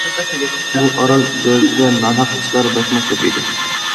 بۇ ئارال دۆلىتىدە ناھەق ئىشلار بەكمۇ كۆپ ئىدى.